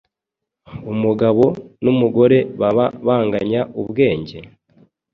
Umugabo n’umugore baba banganya ubwenge?